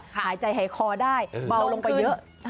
หายใจหายคอได้เบาลงไปเยอะ